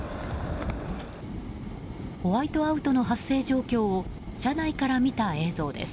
ホワイトアウトの発生状況を車内から見た映像です。